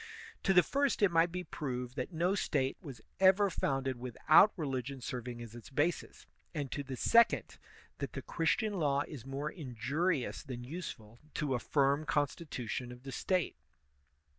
To the first it might be proved that no State was ever founded without religion serving as its basis, and to the second, that the Christian law is more injurious than useful to a firm constitution of the State.